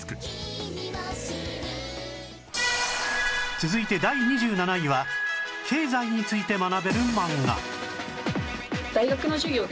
続いて第２７位は経済について学べる漫画